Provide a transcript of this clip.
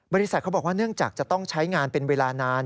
เขาบอกว่าเนื่องจากจะต้องใช้งานเป็นเวลานาน